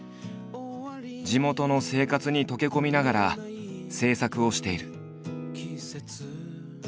地元の生活に溶け込みながら制作をしている。